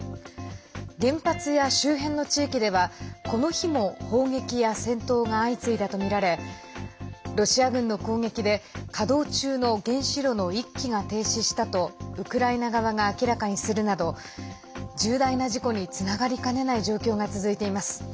原発や周辺の地域では、この日も砲撃や戦闘が相次いだとみられロシア軍の攻撃で、稼働中の原子炉の１基が停止したとウクライナ側が明らかにするなど重大な事故につながりかねない状況が続いています。